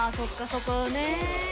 そこをね。